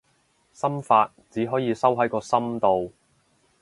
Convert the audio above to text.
心法，只可以收喺個心度